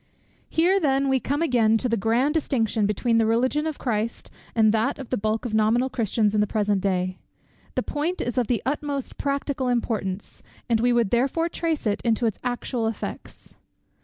Here then we come again to the grand distinction, between the Religion of Christ and that of the bulk of nominal Christians in the present day. The point is of the utmost practical importance, and we would therefore trace it into its actual effects.